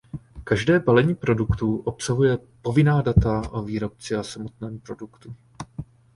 Každé balení produktu obsahuje povinná data o výrobci a samotném produktu.